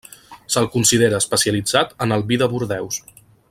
Se'l considera especialitzat en el vi de Bordeus.